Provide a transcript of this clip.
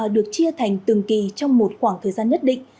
được chia thành từng kỳ trong một khoảng thời gian nhất định